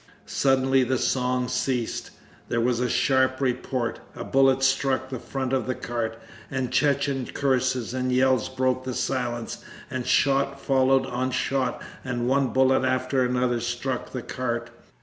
Suddenly the song ceased; there was a sharp report, a bullet struck the front of the cart, and Chechen curses and yells broke the silence and shot followed on shot and one bullet after another struck the cart.